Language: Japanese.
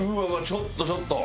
ちょっとちょっと！